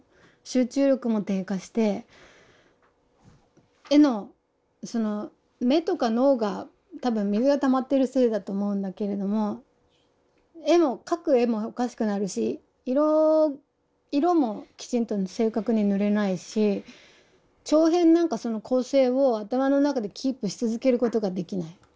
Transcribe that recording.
集中力も低下して絵の目とか脳が多分水がたまってるせいだと思うんだけれども絵も描く絵もおかしくなるし色もきちんと正確に塗れないし長編なんかその構成を頭の中でキープし続けることができない。